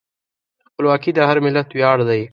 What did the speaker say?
خپلواکي د هر ملت ویاړ دی.